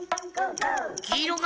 きいろか？